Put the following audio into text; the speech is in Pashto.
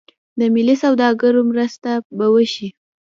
د ملي سوداګرو مرسته به وشي.